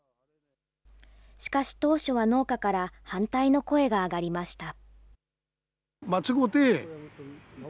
しかし、当初は農家から反対の声が上がりました。